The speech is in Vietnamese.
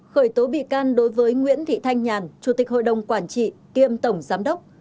khởi tố bị can đối với nguyễn thị thanh nhàn chủ tịch hội đồng quản trị kiêm tổng giám đốc